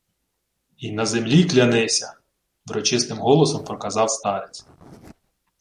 — Й на землі клянися, — врочистим голосом проказав старець.